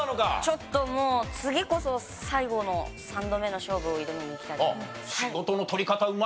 ちょっともう次こそ最後の３度目の勝負を挑みにいきたいと思います。